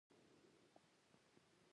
منډه عصبي نظام ځواکمنوي